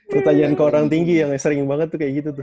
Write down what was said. pertanyaan ke orang tinggi yang sering banget tuh kayak gitu tuh